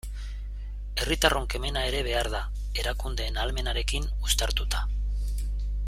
Herritarron kemena ere behar da, erakundeen ahalmenarekin uztartuta.